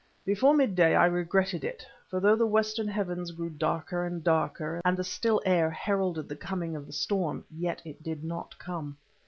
Before mid day I regretted it, for though the western heavens grew darker and darker, and the still air heralded the coming of the storm, yet it did not come.